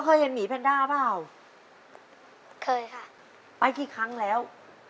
สองครั้งแล้ว